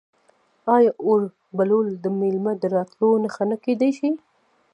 آیا اور بلول د میلمه د راتلو نښه نه کیدی شي؟